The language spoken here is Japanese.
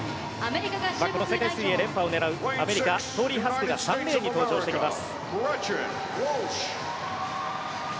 この世界水泳連覇を狙うアメリカ、トーリー・ハスクが３レーンに登場してきます。